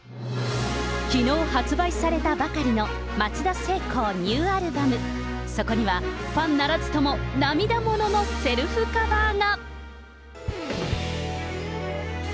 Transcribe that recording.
きのう発売されたばかりの松田聖子ニューアルバム、そこにはファンならずとも、涙もののセルフカバーが。